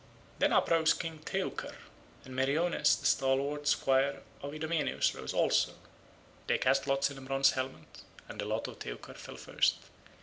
Then uprose King Teucer, and Meriones the stalwart squire of Idomeneus rose also, They cast lots in a bronze helmet and the lot of Teucer fell first.